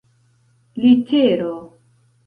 litero